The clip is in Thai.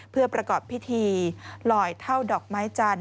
เพื่อประกอบพิธีลอยเท่าดอกไม้จันท